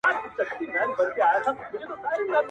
ليکوال په هنري ډول ګڼ نومونه راوړي تر څو دا مفهوم پراخ کړي,